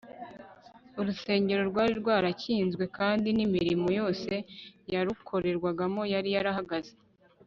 urusengero rwari rwarakinzwe kandi n'imirimo yose yarukorerwagamo yari yarahagaze